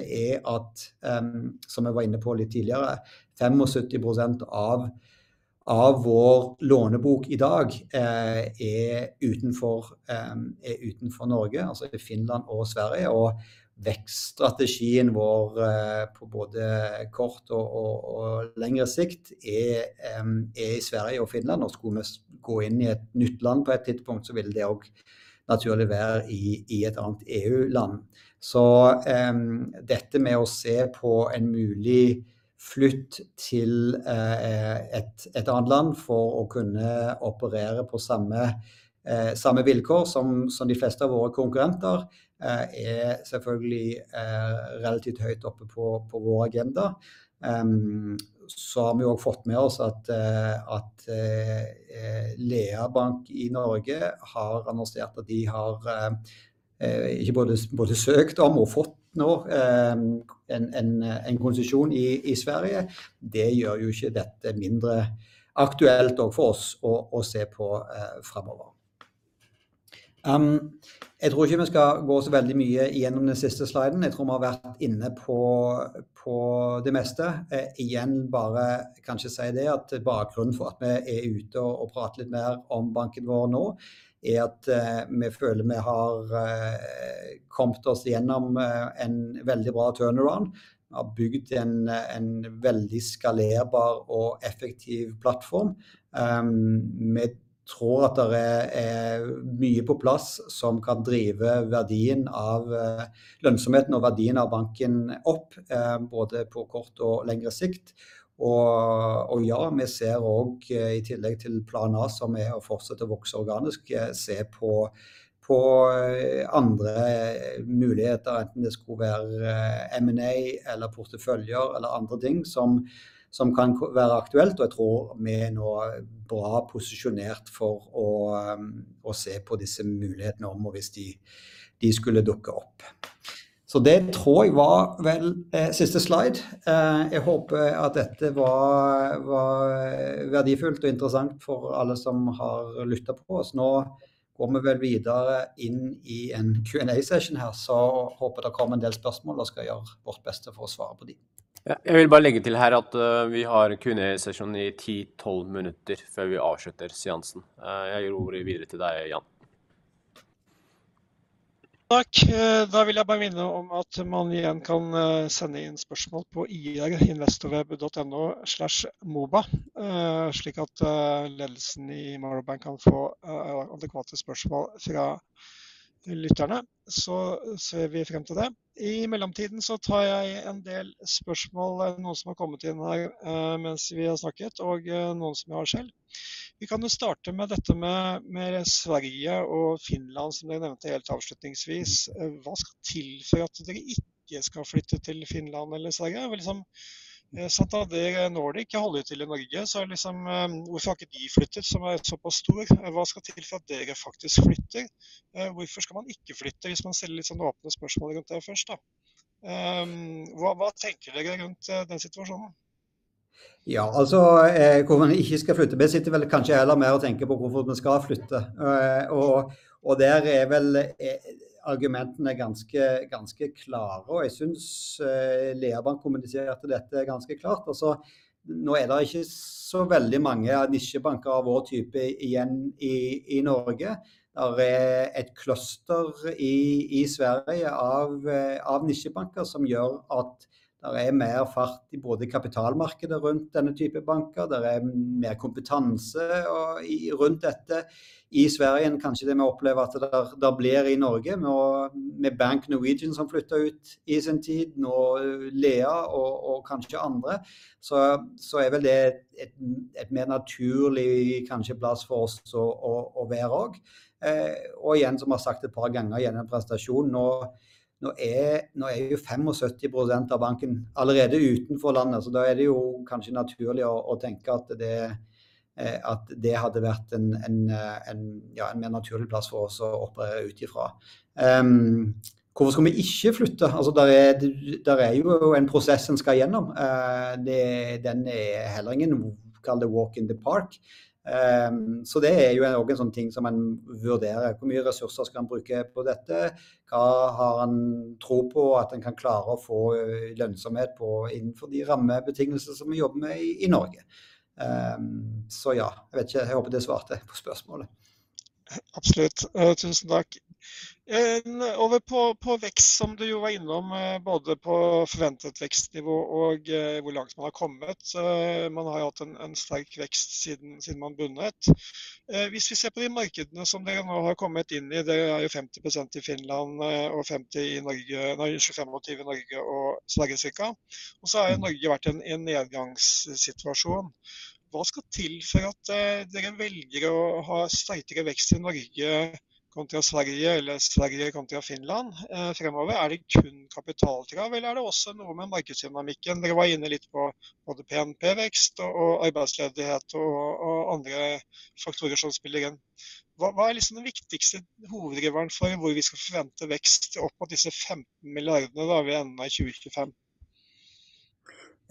at som vi var inne på litt tidligere, 75% av vår lånebok i dag utenfor Norge, altså i Finland og Sverige, og vekststrategien vår på både kort og lengre sikt i Sverige og Finland, og skulle vi gå inn i et nytt land på et tidspunkt, så ville det også naturlig være i et annet EU-land. Så dette med å se på en mulig flytt til et annet land for å kunne operere på samme vilkår som de fleste av våre konkurrenter, selvfølgelig relativt høyt oppe på vår agenda. Så har vi jo også fått med oss at Lea Bank i Norge har annonsert at de har både søkt om og fått nå en konsesjon i Sverige. Det gjør jo ikke dette mindre aktuelt også for oss å se på fremover. Jeg tror ikke vi skal gå så veldig mye igjennom den siste sliden. Jeg tror vi har vært inne på det meste. Igjen, bare kanskje si det at bakgrunnen for at vi er ute og prater litt mer om banken vår nå, at vi føler vi har kommet oss gjennom en veldig bra turnaround. Vi har bygd en veldig skalerbar og effektiv plattform. Vi tror at det er mye på plass som kan drive verdien av lønnsomheten og verdien av banken opp, både på kort og lengre sikt. Og ja, vi ser også i tillegg til plan A, som å fortsette å vokse organisk, se på andre muligheter, enten det skulle være M&A eller porteføljer eller andre ting som kan være aktuelt. Jeg tror vi nå bra posisjonert for å se på disse mulighetene og hvis de skulle dukke opp. Det tror jeg var vel siste slide. Jeg håper at dette var verdifullt og interessant for alle som har lyttet på oss. Nå går vi vel videre inn i en Q&A-session her, så håper jeg det kommer en del spørsmål og skal gjøre vårt beste for å svare på de. Ja, jeg vil bare legge til her at vi har Q&A-session i 10-12 minutter før vi avslutter seansen. Jeg gir ordet videre til deg, Jan. Takk. Da vil jeg bare minne om at man igjen kan sende inn spørsmål på investorweb.no/moba, slik at ledelsen i Morrow Bank kan få adekvate spørsmål fra lytterne. Så ser vi frem til det. I mellomtiden så tar jeg en del spørsmål, noen som har kommet inn her mens vi har snakket, og noen som jeg har selv. Vi kan jo starte med dette med Sverige og Finland, som dere nevnte helt avslutningsvis. Hva skal til for at dere ikke skal flytte til Finland eller Sverige? Og når det ikke holder til i Norge, så hvorfor har ikke de flyttet som såpass stor? Hva skal til for at dere faktisk flytter? Hvorfor skal man ikke flytte hvis man stiller litt sånn åpne spørsmål rundt det først da? Hva tenker dere rundt den situasjonen? Ja, altså, hvorfor man ikke skal flytte, det sitter vel kanskje heller mer i å tenke på hvorfor man skal flytte. Og der er vel argumentene ganske, ganske klare, og jeg synes Lea Bank kommuniserte dette ganske klart. Altså, nå er det ikke så veldig mange nisjebanker av vår type igjen i Norge. Det er et kluster i Sverige av nisjebanker som gjør at det er mer fart i både kapitalmarkedet rundt denne type banker. Det er mer kompetanse rundt dette i Sverige, kanskje det vi opplever at det blir i Norge nå med Bank Norwegian som flytter ut i sin tid, nå Lea og kanskje andre. Så vel er det et mer naturlig kanskje plass for oss å være også. Og igjen, som jeg har sagt et par ganger gjennom presentasjonen, nå 75% av banken allerede utenfor landet, så da er det jo kanskje naturlig å tenke at det hadde vært en mer naturlig plass for oss å operere ut ifra. Hvorfor skal vi ikke flytte? Altså, det er jo en prosess en skal gjennom. Det er heller ingen kall det walk in the park. Så det er jo også en sånn ting som en vurderer, hvor mye ressurser skal en bruke på dette, hva har en tro på at en kan klare å få lønnsomhet på innenfor de rammebetingelsene som vi jobber med i Norge. Så ja, jeg vet ikke, jeg håper det svarte på spørsmålet. Absolutt, tusen takk. Over på vekst som du jo var innom, både på forventet vekstnivå og hvor langt man har kommet. Man har jo hatt en sterk vekst siden man begynte. Hvis vi ser på de markedene som dere nå har kommet inn i, dere jo 50% i Finland og 50% i Norge, nei, 25% i Norge og Sverige cirka. Og så har jo Norge vært en nedgangssituasjon. Hva skal til for at dere velger å ha sterkere vekst i Norge kontra Sverige eller Sverige kontra Finland fremover? Er det kun kapitalkrav, eller er det også noe med markedsdynamikken? Dere var inne litt på både BNP-vekst og arbeidsledighet og andre faktorer som spiller inn. Hva er liksom den viktigste hoveddriveren for hvor vi skal forvente vekst opp mot disse 15 milliardene da ved enden av 2025?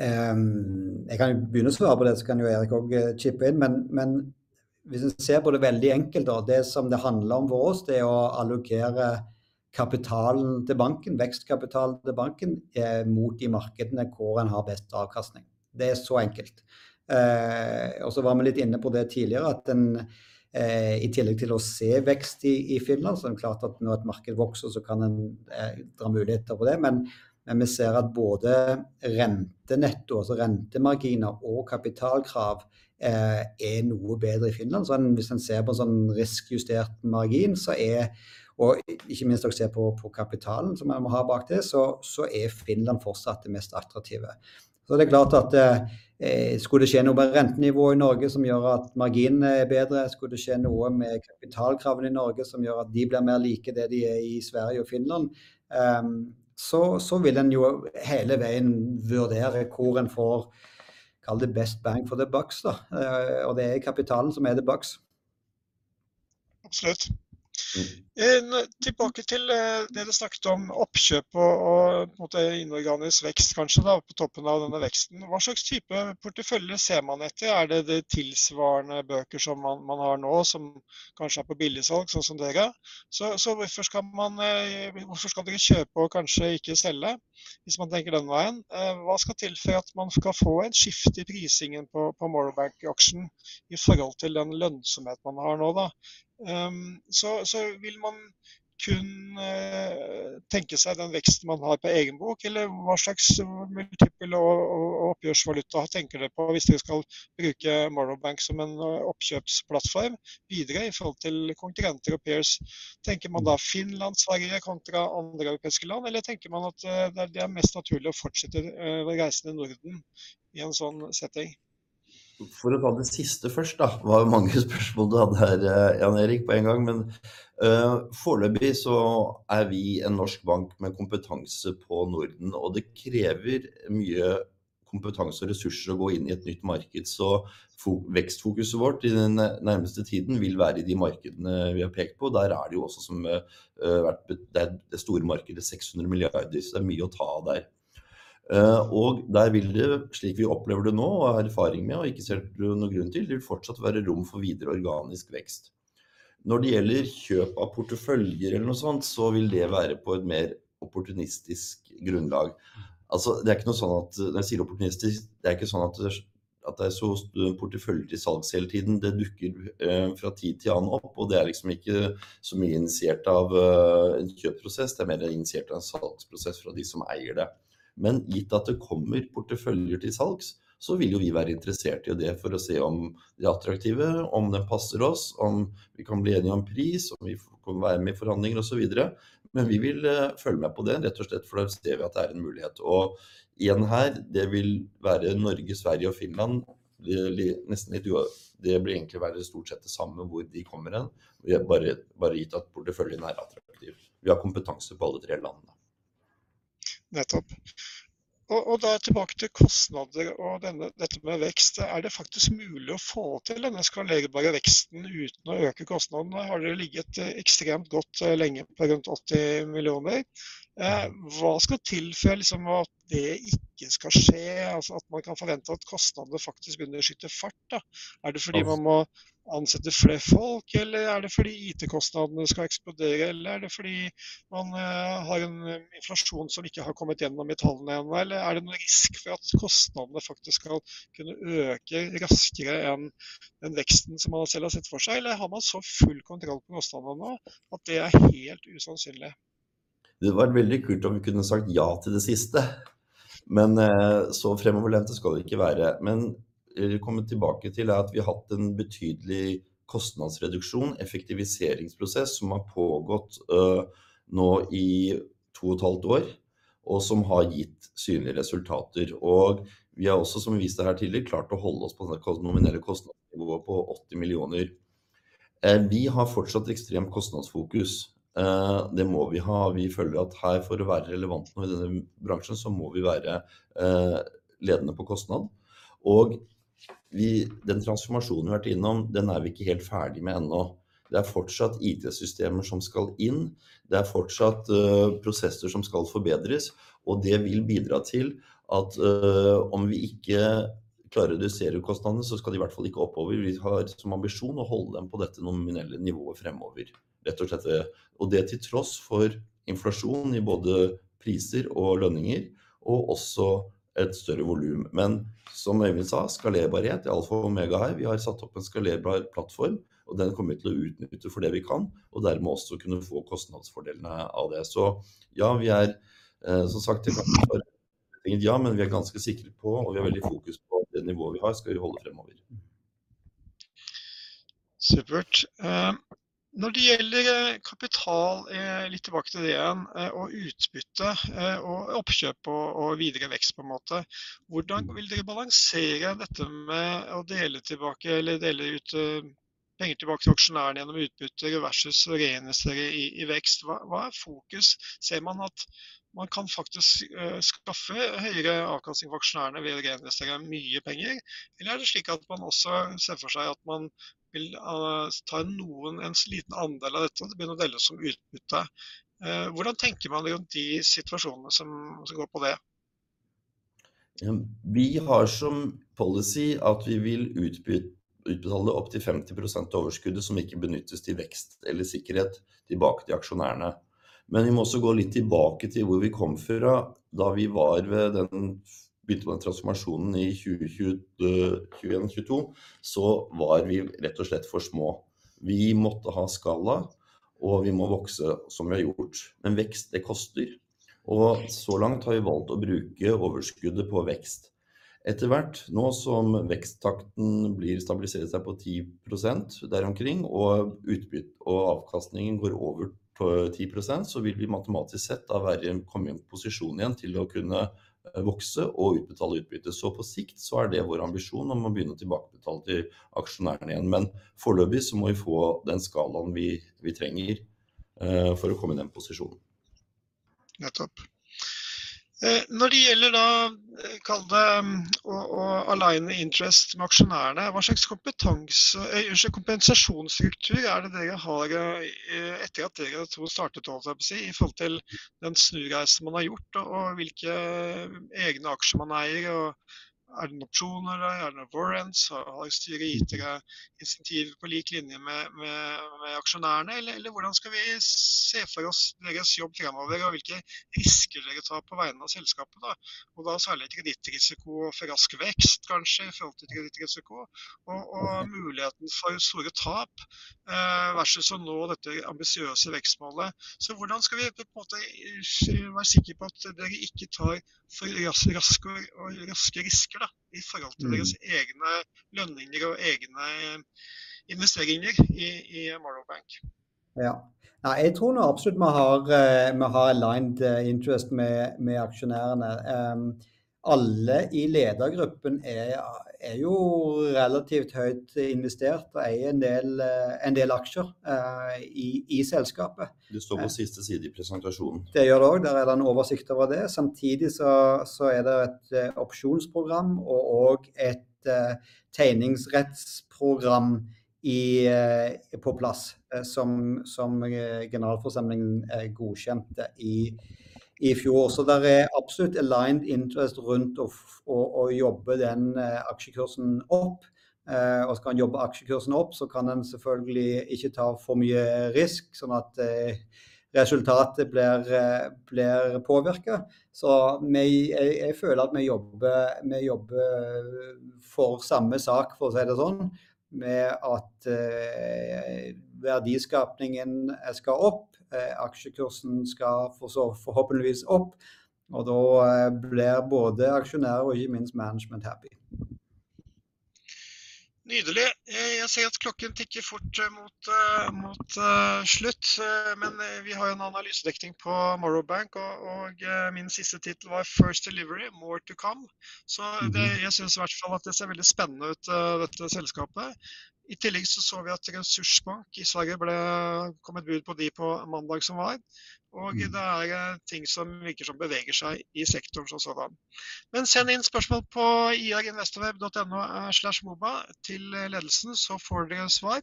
Jeg kan jo begynne å svare på det, så kan jo Erik også chippe inn, men hvis vi ser på det veldig enkelt da, det som det handler om for oss, det å allokere kapitalen til banken, vekstkapitalen til banken, mot de markedene hvor en har best avkastning. Det så enkelt. Så var vi litt inne på det tidligere at en, i tillegg til å se vekst i Finland, så det klart at når et marked vokser, så kan en dra muligheter på det, men vi ser at både rentenetto, altså rentemarginer og kapitalkrav, noe bedre i Finland. Så hvis en ser på en sånn riskjustert margin, så og ikke minst når vi ser på kapitalen som vi må ha bak det, så Finland fortsatt det mest attraktive. Så det er klart at, skulle det skje noe med rentenivået i Norge som gjør at marginen blir bedre, skulle det skje noe med kapitalkravene i Norge som gjør at de blir mer like det de er i Sverige og Finland, så vil en jo hele veien vurdere hvor en får, kall det best bang for the buck da, og det er kapitalen som er the buck. Absolutt. Tilbake til det du snakket om oppkjøp og på en måte inorganisk vekst kanskje da, på toppen av denne veksten. Hva slags type portefølje ser man etter? Er det tilsvarende bøker som man har nå, som kanskje er på billigsalg, sånn som dere? Så hvorfor skal man, hvorfor skal dere kjøpe og kanskje ikke selge, hvis man tenker den veien? Hva skal til for at man skal få et skifte i prisingen på Morrow Bank Auction i forhold til den lønnsomheten man har nå da? Så vil man kun tenke seg den veksten man har på egen bok, eller hva slags multippel og oppgjørsvaluta tenker dere på hvis dere skal bruke Morrow Bank som en oppkjøpsplattform videre i forhold til konkurrenter og peers? Tenker man da Finland, Sverige kontra andre europeiske land, eller tenker man at det er mest naturlig å fortsette reisen i Norden i en sånn setting? For å ta det siste først da, det var jo mange spørsmål du hadde her, Jan Erik, på en gang, men foreløpig så vi en norsk bank med kompetanse på Norden, og det krever mye kompetanse og ressurser å gå inn i et nytt marked, så vekstfokuset vårt i den nærmeste tiden vil være i de markedene vi har pekt på, og der det jo også som vært det store markedet, 600 milliarder, så det mye å ta der. Og der vil det, slik vi opplever det nå, og har erfaring med, og ikke ser noe grunn til, det vil fortsatt være rom for videre organisk vekst. Når det gjelder kjøp av porteføljer eller noe sånt, så vil det være på et mer opportunistisk grunnlag. Altså, det er ikke noe sånn at når jeg sier opportunistisk, det er ikke sånn at det er porteføljer til salgs hele tiden. Det dukker fra tid til annen opp, og det er liksom ikke så mye initiert av en kjøpsprosess, det er mer initiert av en salgsprosess fra de som eier det. Men gitt at det kommer porteføljer til salgs, så vil jo vi være interessert i det for å se om det er attraktive, om det passer oss, om vi kan bli enige om pris, om vi kan være med i forhandlinger og så videre. Men vi vil følge med på det, rett og slett, for da ser vi at det er en mulighet. Og igjen her, det vil være Norge, Sverige og Finland, det blir nesten litt uavhengig, det blir egentlig være stort sett det samme hvor de kommer hen, og vi bare, gitt at porteføljen er attraktiv. Vi har kompetanse på alle tre landene. Nettopp. Og da tilbake til kostnader og denne, dette med vekst, er det faktisk mulig å få til denne skalegerbare veksten uten å øke kostnadene? Dere har ligget ekstremt godt lenge på rundt 80 millioner. Hva skal til for at det ikke skal skje, altså at man kan forvente at kostnadene faktisk begynner å skyte fart da? Er det fordi man må ansette flere folk, eller er det fordi IT-kostnadene skal eksplodere, eller er det fordi man har en inflasjon som ikke har kommet gjennom i tallene ennå, eller er det noen risiko for at kostnadene faktisk skal kunne øke raskere enn den veksten som man selv har sett for seg, eller har man så full kontroll på kostnadene nå at det er helt usannsynlig? Det hadde vært veldig kult om vi kunne sagt ja til det siste, men så fremoverlente skal det ikke være. Men det vi kommer tilbake til at vi har hatt en betydelig kostnadsreduksjon, effektiviseringsprosess som har pågått nå i to og et halvt år, og som har gitt synlige resultater. Og vi har også, som vi viste her tidligere, klart å holde oss på det nominelle kostnadsnivået på NOK 80 millioner. Vi har fortsatt ekstremt kostnadsfokus. Det må vi ha. Vi føler at her for å være relevant nå i denne bransjen, så må vi være ledende på kostnad. Og den transformasjonen vi har vært innom, den er vi ikke helt ferdig med ennå. Det er fortsatt IT-systemer som skal inn, det er fortsatt prosesser som skal forbedres, og det vil bidra til at, om vi ikke klarer å redusere kostnadene, så skal de i hvert fall ikke oppover. Vi har som ambisjon å holde dem på dette nominelle nivået fremover, rett og slett. Og det til tross for inflasjon i både priser og lønninger, og også et større volum. Men som Øyvind sa, skalerbarhet alfa og omega her. Vi har satt opp en skalerbar plattform, og den kommer vi til å utnytte for det vi kan, og dermed også kunne få kostnadsfordelene av det. Så ja, vi som sagt, det kan ikke bare si ja, men vi ganske sikre på, og vi har veldig fokus på det nivået vi har, skal vi holde fremover. Supert. Når det gjelder kapital, litt tilbake til det igjen, og utbytte, og oppkjøp og videre vekst på en måte, hvordan vil dere balansere dette med å dele tilbake, eller dele ut penger tilbake til aksjonærene gjennom utbytter versus reinvestere i vekst? Hva, hva fokus? Ser man at man kan faktisk skaffe høyere avkastning for aksjonærene ved å reinvestere mye penger, eller er det slik at man også ser for seg at man vil ta en noen, en liten andel av dette, og det begynner å deles som utbytte? Hvordan tenker man rundt de situasjonene som går på det? Ja, vi har som policy at vi vil utbetale opp til 50% av overskuddet som ikke benyttes til vekst eller sikkerhet tilbake til aksjonærene. Men vi må også gå litt tilbake til hvor vi kom fra. Da vi begynte på den transformasjonen i 2021-2022, så var vi rett og slett for små. Vi måtte ha skala, og vi må vokse som vi har gjort. Men vekst, det koster. Så langt har vi valgt å bruke overskuddet på vekst. Etter hvert, nå som veksttakten blir stabilisert seg på 10% der omkring, og utbytte og avkastningen går over på 10%, så vil vi matematisk sett da være kommet i en posisjon igjen til å kunne vokse og utbetale utbytte. Så på sikt så det vår ambisjon om å begynne å tilbakebetale til aksjonærene igjen. Men foreløpig så må vi få den skalaen vi trenger, for å komme i den posisjonen. Nettopp. Når det gjelder da, kall det, og aligne interest med aksjonærene, hva slags kompensasjonsstruktur det dere har, etter at dere to startet å holde seg på si i forhold til den snureisen man har gjort, og hvilke egne aksjer man eier, og det noen opsjoner, det noen warrants, har styret gitt dere insentiver på lik linje med aksjonærene, eller hvordan skal vi se for oss deres jobb fremover, og hvilke risikoer dere tar på vegne av selskapet da? Og da særlig kredittrisiko og for rask vekst kanskje i forhold til kredittrisiko, og muligheten for store tap, versus å nå dette ambisiøse vekstmålet. Så hvordan skal vi på en måte være sikre på at dere ikke tar for raske risikoer da i forhold til deres egne lønninger og egne investeringer i Morrow Bank? Ja, nei, jeg tror nå absolutt vi har aligned interest med aksjonærene. Alle i ledergruppen er jo relativt høyt investert og eier en del aksjer i selskapet. Det står på siste side i presentasjonen. Det gjør det også, der er det en oversikt over det. Samtidig så er det et opsjonsprogram og et tegningsrettsprogram på plass som generalforsamlingen godkjente i fjor. Så det er absolutt aligned interest rundt å jobbe aksjekursen opp. Og skal man jobbe aksjekursen opp, så kan man selvfølgelig ikke ta for mye risiko, sånn at resultatet blir påvirket. Så vi, jeg føler at vi jobber for samme sak, for å si det sånn, med at verdiskapningen skal opp, aksjekursen skal forhåpentligvis opp, og da blir både aksjonærer og ikke minst management happy. Nydelig. Jeg ser at klokken tikker fort mot slutt, men vi har jo en analysedekning på Morrow Bank, og min siste tittel var First Delivery, More to Come. Det jeg synes i hvert fall er at det ser veldig spennende ut, dette selskapet. I tillegg så vi at Ressursbank i Sverige ble kommet bud på mandag som var, og det er ting som virker som beveger seg i sektoren som sådan. Men send inn spørsmål på ir.investorweb.no/moba til ledelsen, så får dere svar.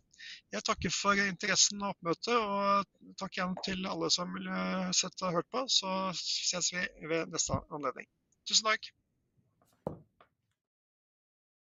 Jeg takker for interessen og oppmøtet, og takk igjen til alle som vil sitte og høre på, så ses vi ved neste anledning. Tusen takk.